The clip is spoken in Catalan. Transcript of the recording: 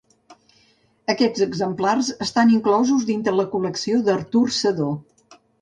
Aquests exemplars estan inclosos dintre de la col·lecció d'Artur Sedó.